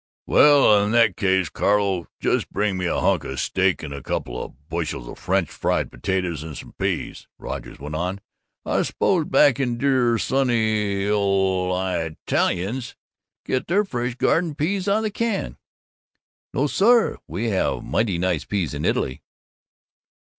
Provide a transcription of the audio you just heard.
"Well, in that case, Carlo, just bring me a hunk o' steak and a couple o' bushels o' French fried potatoes and some peas," Rogers went on. "I suppose back in dear old sunny It' the Eyetalians get their fresh garden peas out of the can." "No, sir, we have very nice peas in Italy."